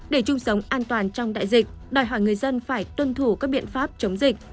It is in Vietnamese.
để chung sống an toàn trong đại dịch đòi hỏi người dân phải tuân thủ các biện pháp chống dịch